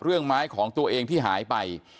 เรื่องไม้ของตัวเองที่หายไป